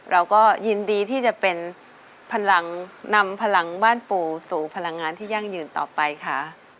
เราก็ยินดีที่จะเป็นพลังนำพลังบ้านปู่สู่พลังงานที่ยั่งยืนต่อไปค่ะ